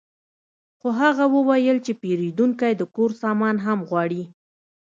خو هغه وویل چې پیرودونکی د کور سامان هم غواړي